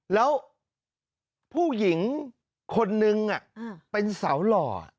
แล้วผู้หญิงคนนึงเป็นสาวหล่อ